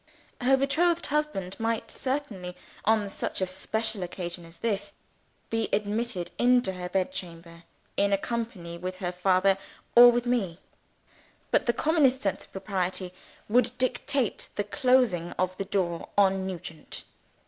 Her betrothed husband might certainly, on such a special occasion as this, be admitted into her bed chamber, in company with her father or with me. But the commonest sense of propriety would dictate the closing of the door on Nugent.